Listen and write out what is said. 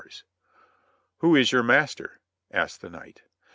"And who is your master?" asked the knight then.